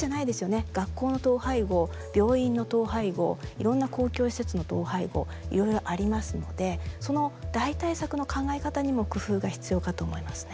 いろんな公共施設の統廃合いろいろありますのでその代替策の考え方にも工夫が必要かと思いますね。